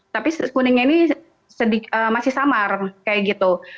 tapi kuningnya ini masih samar kayak gitu